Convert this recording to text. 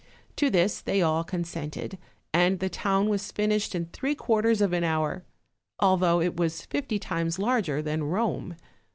To this they all con sented, and the town was finished in three quarters of an hour, although it was fifty times larger than Eome.